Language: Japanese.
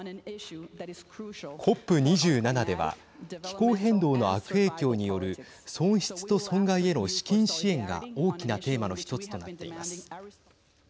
ＣＯＰ２７では気候変動の悪影響による損失と損害への資金支援が大きなテーマの１つとなっています。